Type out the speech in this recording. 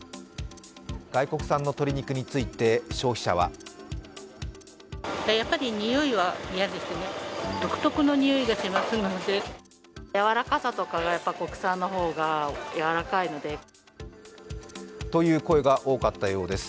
外国産の鶏肉について消費者はという声が多かったようです。